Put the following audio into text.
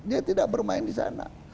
dia tidak bermain di sana